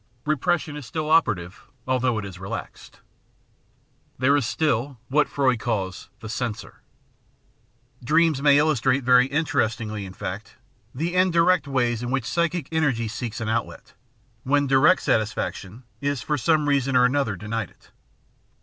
Repression is still operative, although it is relaxed. There is still what Freud caDs the "censor." Dreams may illustrate very in terestingly, in fact, the indirect ways in which psychic energy seeks an outlet, when direct satisfaction is for some reason or other denied it.